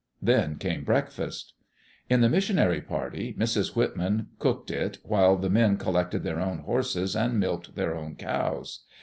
Then came breakfast. In the missionary party, Mrs. Whitman cooked it, while the men collected their own horses and milked their own cows.